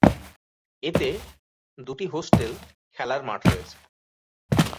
এতে দুটি হোস্টেল খেলার মাঠ রয়েছে।